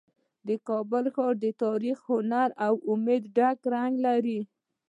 د کابل ښار د تاریخ، هنر او امید ګډ رنګ لري.